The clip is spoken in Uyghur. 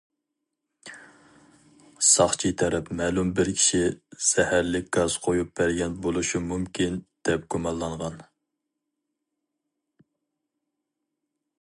ساقچى تەرەپ مەلۇم بىر كىشى زەھەرلىك گاز قۇيۇپ بەرگەن بولۇشى مۇمكىن، دەپ گۇمانلانغان.